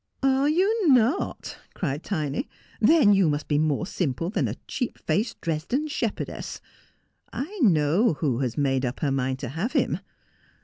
' Are you not 1 ' cried Tiny ;' then you must be more simple than a sheep faced Dresden shepherdess. I know who has made up her mind to have him.